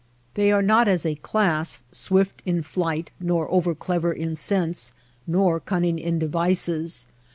They are not as a class swift in flight, nor over clever in sense, nor cunning in devices.